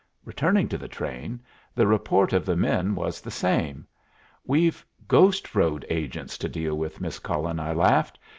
Returning to the train, the report of the men was the same. "We've ghost road agents to deal with, Miss Cullen," I laughed.